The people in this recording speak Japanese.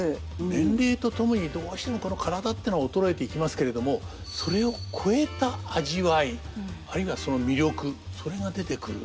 年齢とともにどうしてもこの体ってのは衰えていきますけれどもそれを超えた味わいあるいはその魅力それが出てくる。